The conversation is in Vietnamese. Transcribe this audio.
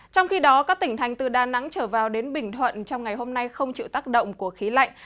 trong khi đó các tỉnh thành từ đà nẵng trở vào đến bình thuận trong ngày hôm nay không chịu tác động của khí lạnh